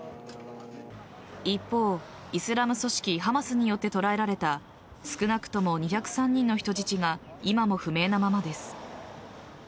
一方イスラム組織・ハマスによって捕らえられた少なくとも２０３人の人質が今も不明なままです。